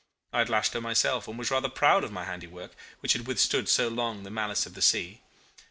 I had lashed her myself, and was rather proud of my handiwork, which had withstood so long the malice of the sea.